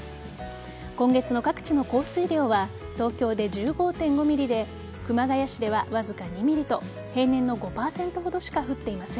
今月の各地の降水量は東京で１５．５ｍｍで熊谷市ではわずか２ｍｍと平年の５％ほどしか降っていません。